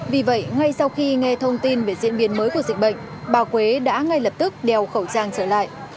vì vậy ngay sau khi nghe thông tin về diễn biến mới của dịch bệnh bà quế đã ngay lập tức đeo khẩu trang trở lại